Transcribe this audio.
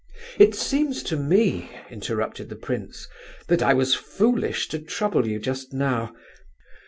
"It seems to me," interrupted the prince, "that I was foolish to trouble you just now.